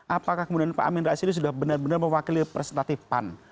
apakah kemudian pak amin rais ini sudah benar benar mewakili persentatif pan